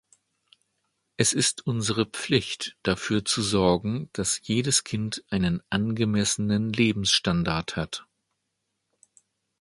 Es ist unsere Pflicht, dafür zu sorgen, dass jedes Kind einen angemessenen Lebensstandard hat.